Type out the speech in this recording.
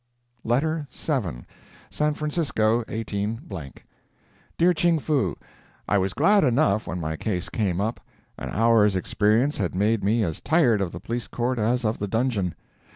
LETTER VII SAN FRANCISCO, 18 . DEAR CHING FOO: I was glad enough when my case came up. An hour's experience had made me as tired of the police court as of the dungeon.